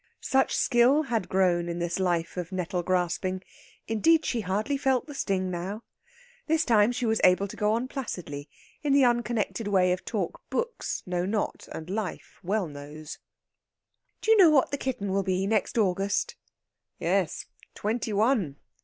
Such skill had grown in this life of nettle grasping! indeed, she hardly felt the sting now. This time she was able to go on placidly, in the unconnected way of talk books know not, and life well knows: "Do you know what the kitten will be next August?" "Yes; twenty one."